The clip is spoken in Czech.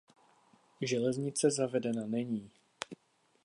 Železnice zavedena není.